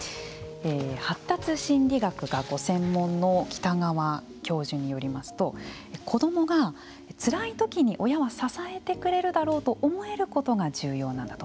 発達心理学がご専門の北川教授によりますと子どもがつらい時に親は支えてくれるだろうと思えることが重要なんだと。